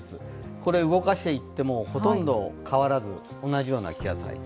これを動かしていってもほとんど変わらず、同じような気圧配置。